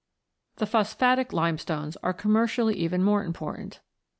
The Phosphatic Limestones are commercially even more important.